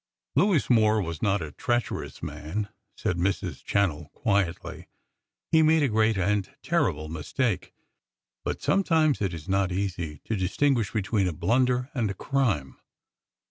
"Lewis Moore was not a treacherous man," said Mrs. Channell, quietly. "He made a great and terrible mistake. But sometimes it is not easy to distinguish between a blunder and a crime.